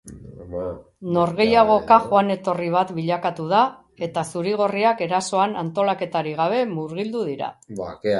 Norgehiagoka joan etorri bat bilakatu da eta zuri-gorriak erasoan antolaketarik gabe murgildu dira.